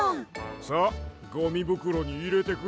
さあゴミぶくろにいれてくれ。